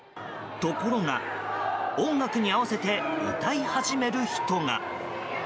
ところが、音楽に合わせて歌い始める人が。